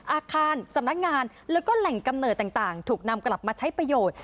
อาคารสำนักงานแล้วก็แหล่งกำเนิดต่างถูกนำกลับมาใช้ประโยชน์